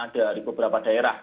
dari beberapa daerah